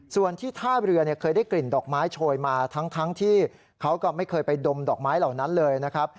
ส่วนที่ท่าเรือเคยได้กลิ่นดอกไม้โชยมาทั้งที่เขาก็ไม่เคยไปดมดอกไม้เหล่านั้นเลยนะครับ